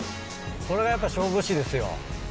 これがやっぱ勝負師ですよ。